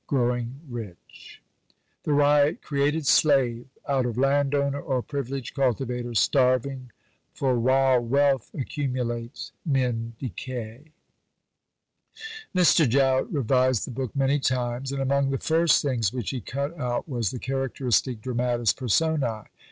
Growing rich. THE RYOT: Created Slave out of Landowner or Privileged Cultivator. Starving. For while "wealth accumulates, men decay." Mr. Jowett revised the book many times, and among the first things which he cut out was the characteristic "Dramatis Personæ."